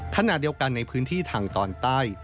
ขณะเดียวกันในพื้นที่ทางตอนใต้